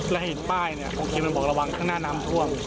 แล้วเห็นป้ายเนี่ยโอเคมันบอกระวังข้างหน้าน้ำท่วม